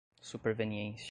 superveniência